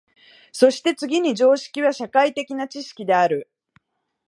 そして次に常識は社会的な知識である。